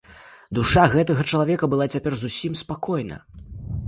Душа гэтага чалавека была цяпер зусім спакойна.